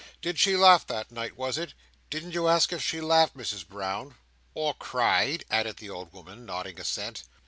"Did she laugh that night, was it? Didn't you ask if she laughed, Misses Brown?" "Or cried?" added the old woman, nodding assent.